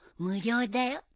無料だよ。